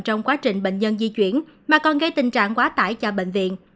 trong quá trình bệnh nhân di chuyển mà còn gây tình trạng quá tải cho bệnh viện